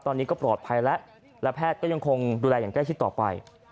ตอนนี้ก็ปลอดภัยแล้วและแพทย์ก็ยังคงดูแลอย่างใกล้ชิดต่อไป